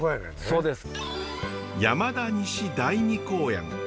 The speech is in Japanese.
そうです。